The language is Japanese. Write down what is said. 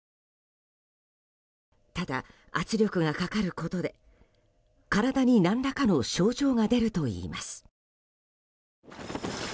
ただ、圧力がかかることで体に何らかの症状が出るといいます。